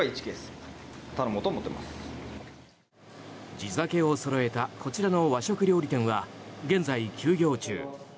地酒をそろえたこちらの和食料理店は現在、休業中。